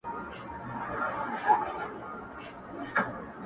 خو بېرېږم کار یې خره ته دی سپارلی!.